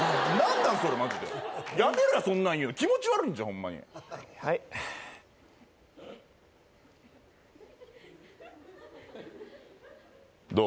なんそれマジでやめろやそんなんいうの気持ち悪いんじゃホンマにはいはいどう？